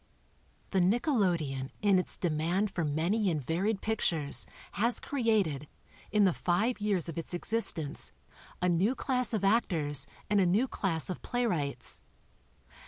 The nickelodeon in its demand for many and varied pictures has created, in the five years of its existence, a new class of actors and a new class of playwrights.